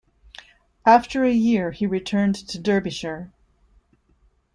After a year he returned to Derbyshire.